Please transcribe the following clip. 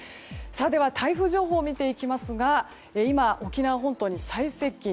では、台風情報を見ていきますが今、沖縄本島に最接近。